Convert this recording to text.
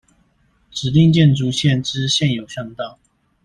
指定建築線之現有巷道